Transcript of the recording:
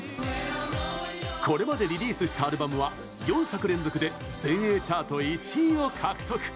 これまでリリースしたアルバムは４作連続で全英チャート１位を獲得。